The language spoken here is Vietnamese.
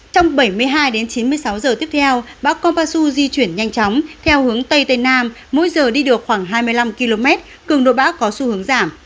trong bảy mươi hai đến chín mươi sáu giờ tiếp theo bão conpasu di chuyển nhanh chóng theo hướng tây tây nam mỗi giờ đi được khoảng hai mươi năm km cường độ bão có xu hướng giảm